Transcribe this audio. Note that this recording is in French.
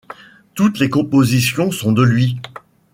Toutes les compositions sont de lui.